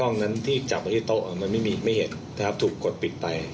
ห้องนั้นที่จับไว้ที่โต๊ะมันไม่เห็นนะครับถูกกดปิดไป